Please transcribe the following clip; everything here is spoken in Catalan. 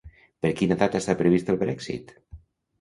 Per quina data està previst el Brexit?